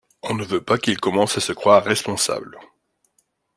On ne veut pas qu’il commence à se croire responsable.